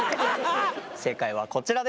正解はこちらです。